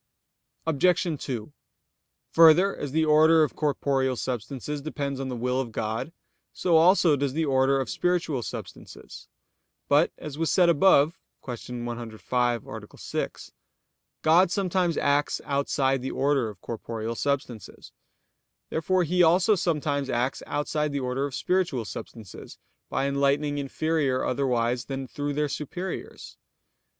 Obj. 2: Further, as the order of corporeal substances depends on the will of God, so also does the order of spiritual substances. But, as was said above (Q. 105, A. 6), God sometimes acts outside the order of corporeal substances. Therefore He also sometimes acts outside the order of spiritual substances, by enlightening inferior otherwise than through their superiors.